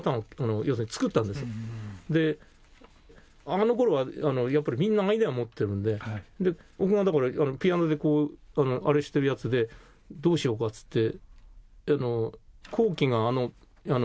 あの頃はやっぱりみんなアイデアを持ってるので僕がだからピアノでこうあれしてるやつでどうしようかっつって。